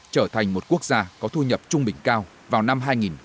trở thành một quốc gia có thu nhập trung bình cao vào năm hai nghìn ba mươi